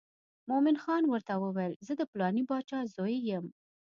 مومن خان ورته وویل زه د پلانې باچا زوی یم.